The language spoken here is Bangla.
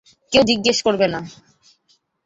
কেউ জিজ্ঞেস করবে না।